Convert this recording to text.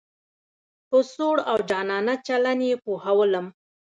په سوړ او جانانه چلن یې پوهولم.